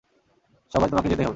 সভায় তোমাকে যেতেই হবে।